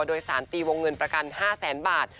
โดยสารตีวงเงินประกัน๕แสนบาท